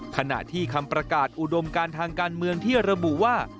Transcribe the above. ขณะที่คำประกาศอุดมการทางการเมืองที่ระบุว่า